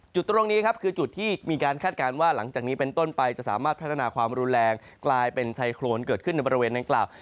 จุดตรงนี้ครับคือจุดที่มีการคาดการณ์ว่าหลังจากนี้เป็นต้นไปจะสามารถพัฒนาความรุนแรงกลายเป็นไซโครนเกิดขึ้นในบริเวณดังกล่าว